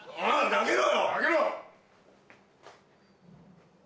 投げろ！